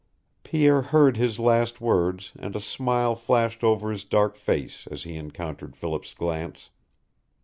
Pierre heard his last words and a smile flashed over his dark face as he encountered Philip's glance.